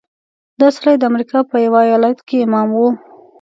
دا سړی د امریکا په یوه ایالت کې امام و.